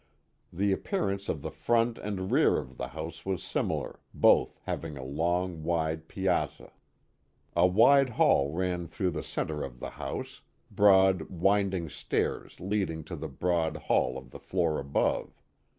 The ap pearance of the front and rear of the house was similar, both having a long, wide piazza. A wide hall ran through the 138 The Mohawk Valley centre of the house, broad» winding stairs leading to the broad hall of the floor above.